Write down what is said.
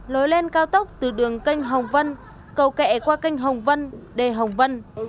lối lên cao tốc từ đường canh hồng vân cầu kẹ qua canh hồng vân đề hồng vân